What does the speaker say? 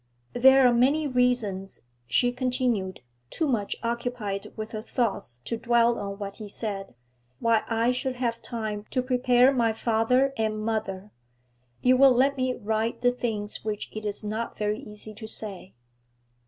'There are many reasons,' she continued, too much occupied with her thoughts to dwell on what he said, 'why I should have time to prepare my father and mother. You will let me write the things which it is not very easy to say.'